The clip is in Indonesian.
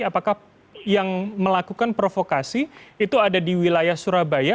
apakah yang melakukan provokasi itu ada di wilayah surabaya